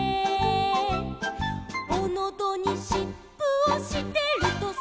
「おのどにしっぷをしてるとさ」